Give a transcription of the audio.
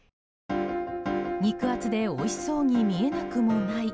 肉厚でおいしそうに見えなくもない？